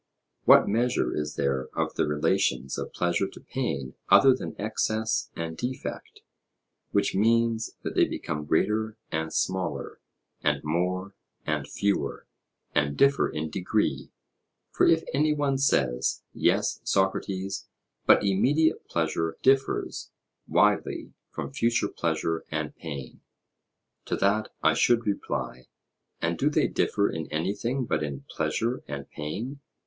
What measure is there of the relations of pleasure to pain other than excess and defect, which means that they become greater and smaller, and more and fewer, and differ in degree? For if any one says: 'Yes, Socrates, but immediate pleasure differs widely from future pleasure and pain' To that I should reply: And do they differ in anything but in pleasure and pain?